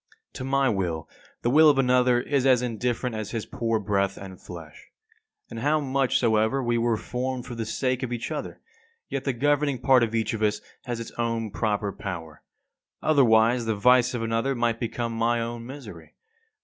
56. To my will the will of another is as indifferent as his poor breath and flesh. And how much soever we were formed for the sake of each other, yet the governing part of each of us has its own proper power; otherwise the vice of another might become my own misery.